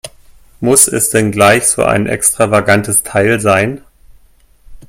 Muss es denn gleich so ein extravagantes Teil sein?